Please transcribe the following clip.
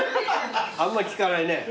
あんま聞かないね。